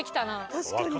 確かに。